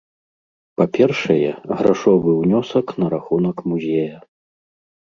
Па-першае, грашовы ўнёсак на рахунак музея.